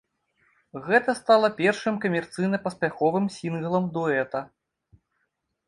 Гэта стала першым камерцыйна паспяховым сінглам дуэта.